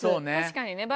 確かにね